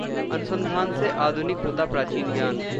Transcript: अनुसंधान से आधुनिक होता प्राचीन ज्ञान